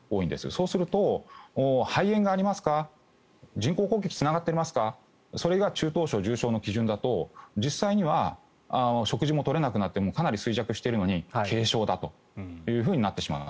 そうすると肺炎がありますか人工呼吸器つながっていますかそれが中等症・重症の基準だと実際には食事も取れなくなってかなり衰弱しているのに軽症だとなってしまう。